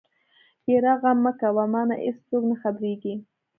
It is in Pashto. يره غم مکوه مانه ايڅوک نه خبرېږي.